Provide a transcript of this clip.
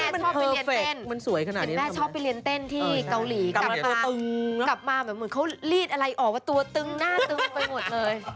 เห็นแม่ชอบไปเรียนเต้นที่เกาหลีกลับมาเหมือนเขาลีดอะไรออกว่าตัวตึงหน้าตึงไปหมดเลย